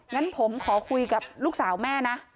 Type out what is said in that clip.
งั้นผมขอคุยกับลูกสาวแม่นะ